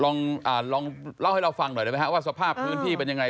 ลองเล่าให้เราฟังหน่อยได้ไหมครับว่าสภาพพื้นที่เป็นยังไง